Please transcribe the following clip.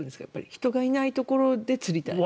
人がいないところで釣りたい？